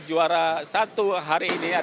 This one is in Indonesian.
juara satu hari ini